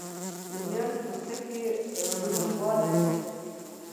رومیان د پوستکي روڼوالی زیاتوي